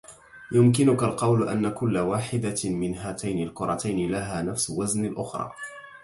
يمكنك القول أن كلّ واحدة من هاتين الكرتين لها نفس وزن الأخرى.